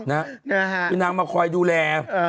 คือนางมาคอยดูแล